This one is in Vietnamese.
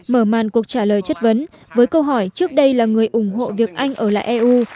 mở màn cuộc trả lời chất vấn với câu hỏi trước đây là người ủng hộ việc anh ở lại eu